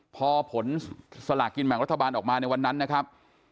พอผลสลากกินแบ่งรัฐบาลออกมาในวันนั้นนะครับ